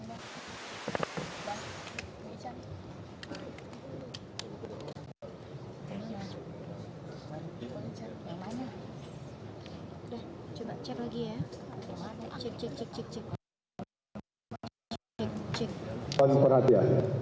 lagu kebangsaan indonesia raya